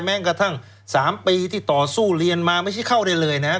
แม้กระทั่ง๓ปีที่ต่อสู้เรียนมาไม่ใช่เข้าได้เลยนะ